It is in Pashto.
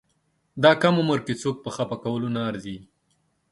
دا کم عمر کې څوک په خپه کولو نه ارزي.